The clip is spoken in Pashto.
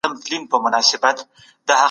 موږ نسو کولای د پلان پرته باثباته پرمختګ وکړو.